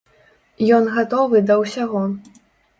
Ён гатовы да ўсяго.